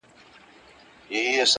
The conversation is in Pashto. دجهان پر مخ ځليږي -